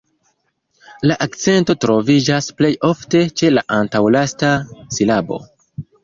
La akcento troviĝas plej ofte ĉe la antaŭlasta silabo.